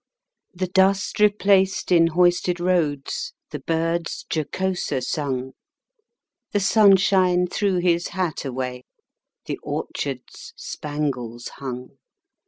The dust replaced in hoisted roads, The birds jocoser sung; The sunshine threw his hat away, The orchards spangles hung.